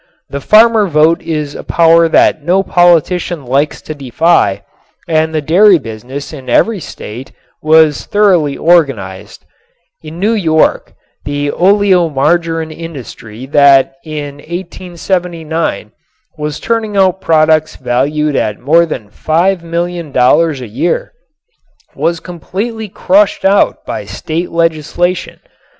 The farmer vote is a power that no politician likes to defy and the dairy business in every state was thoroughly organized. In New York the oleomargarin industry that in 1879 was turning out products valued at more than $5,000,000 a year was completely crushed out by state legislation.